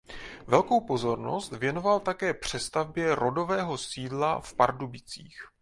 Velkou pozornost věnoval také přestavbě rodového sídla v Pardubicích.